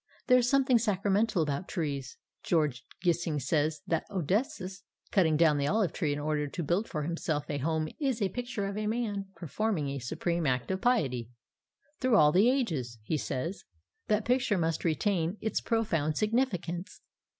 There is something sacramental about trees. George Gissing says that Odysseus cutting down the olive in order to build for himself a home is a picture of man performing a supreme act of piety. 'Through all the ages,' he says, 'that picture must retain its profound significance.'